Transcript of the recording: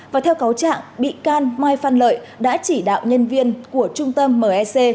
và theo cáo trạng bị can mai phan lợi đã chỉ đạo nhân viên của trung tâm mec